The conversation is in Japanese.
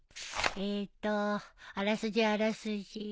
えっとあらすじあらすじ。